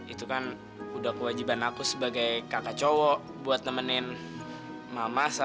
itu kan udah kewajiban aku sebagai kakak cowok buat nemenin mama sama adik cewek